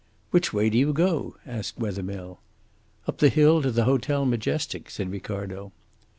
"Which way do you go?" asked Wethermill. "Up the hill to the Hotel Majestic," said Ricardo.